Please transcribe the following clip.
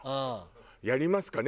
やりますかね？